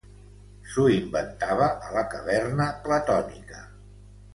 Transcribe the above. S'ho inventava a la caverna platònica.